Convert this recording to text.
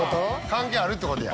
関係あるってことや。